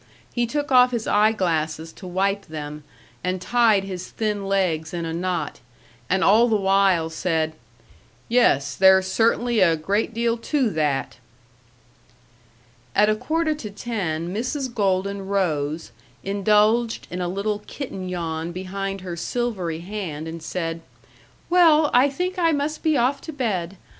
He took off his eye glasses to wipe them and tied his thin legs in a knot, and all the while said, "Yes, there's certainly a great deal to that." At a quarter to ten Mrs. Golden rose, indulged in a little kitten yawn behind her silvery hand, and said: "Well, I think I must be off to bed....